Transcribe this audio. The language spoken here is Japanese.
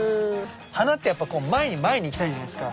花ってやっぱこう前に前にいきたいじゃないですか。